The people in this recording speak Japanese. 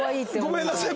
ごめんなさい。